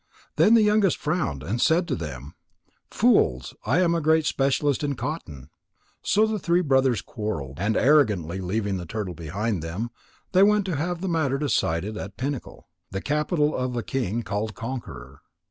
Then the youngest frowned and said to them: "Fools! I am a great specialist in cotton." So the three brothers quarrelled, and arrogantly leaving the turtle behind them, they went to have the matter decided at Pinnacle, the capital of a king called Conqueror.